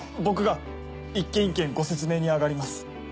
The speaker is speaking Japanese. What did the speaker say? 僕が一軒一軒ご説明にあがります。